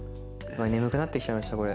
眠くなってきちゃいました。